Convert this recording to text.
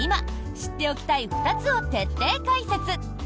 知っておきたい２つを徹底解説！